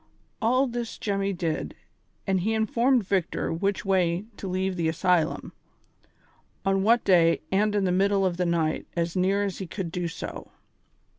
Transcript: All this Jemmy did, and he informed Victor which way to leave the asylum, on what day and in the middle of the night as near as he could do so.